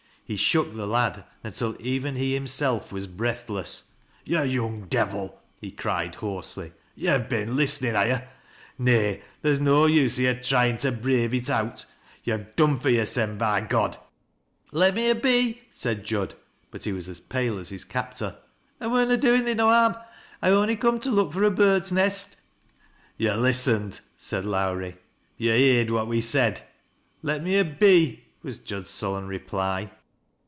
He shook the lad until even he himself was breath ■ less. "To' young devil!" he cried, hoarsely, "yo've been listenin', ha' yo' ? Nay, theer's no use o' yo' tryin' to brave it out. To've done for yorsen, by God !" "Let me a be," said Jud, but he was as pale as his captor. " I wur na doin' thee no harm. I on'y coom tc look fur a bird's nest." " To' listened," said Lowrie ;" yo' heerd what wb said." " Let me a be," was Jud's sullen reply.